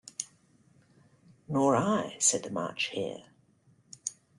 ‘Nor I,’ said the March Hare.